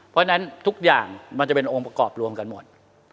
เพราะฉะนั้นทุกอย่างมันจะเป็นองค์ประกอบรวมกันหมด